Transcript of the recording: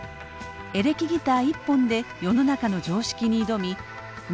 エレキギター一本で世の中の常識に挑み道